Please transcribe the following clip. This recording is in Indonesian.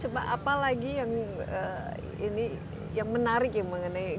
coba apa lagi yang ini yang menarik ya mengenai gua ini